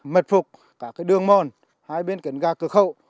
mật phục cả đường mòn hai bên kến ga cực khẩu